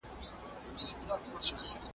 هر جنایت باید خپله جزا ولري.